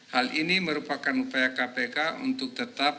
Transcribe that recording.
hal ini merupakan upaya kpk untuk memperkuatkan keuangan negara